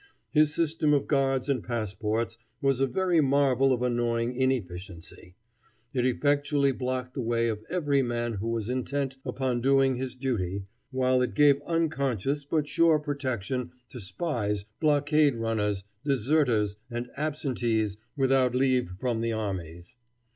His system of guards and passports was a very marvel of annoying inefficiency. It effectually blocked the way of every man who was intent upon doing his duty, while it gave unconscious but sure protection to spies, blockade runners, deserters, and absentees without leave from the armies.